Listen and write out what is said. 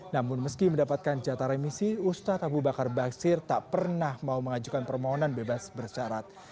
namun meski mendapatkan jatah remisi ustadz abu bakar basir tak pernah mau mengajukan permohonan bebas bersyarat